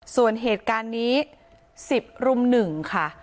ส่วนเหตุการณ์นี้๑๐รุ่ม๑ค่ะ